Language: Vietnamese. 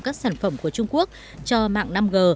các sản phẩm của trung quốc cho mạng năm g